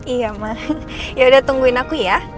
iya mas yaudah tungguin aku ya